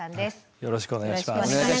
よろしくお願いします。